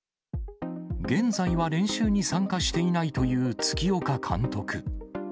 現在は練習に参加していないという月岡監督。